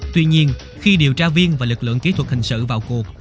tuy nhiên khi điều tra viên và lực lượng kỹ thuật hình sự vào cuộc